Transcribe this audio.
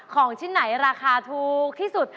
ของชิ้นไหนราคาถูกที่สุด